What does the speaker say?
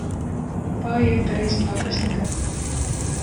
Bayê qirêj paqij dikin.